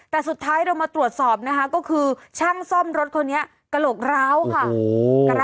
แต่สุดท้ายเรามาตรวจสอบนะคะก็คือช่างซ่อมรถคนนี้กระโหลกร้าวค่ะ